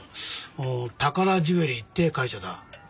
あー宝ジュエリーって会社だ。